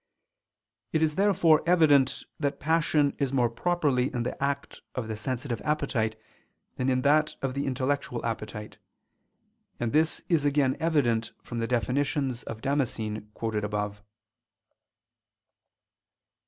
It is therefore evident that passion is more properly in the act of the sensitive appetite, than in that of the intellectual appetite; and this is again evident from the definitions of Damascene quoted above.